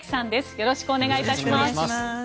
よろしくお願いします。